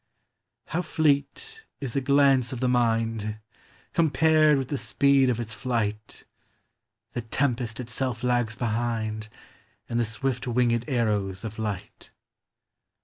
How fleet is a glance of the mind ! Compared with the speed of its flight, The tempest itself lags behind, And the swift winged arrows of light.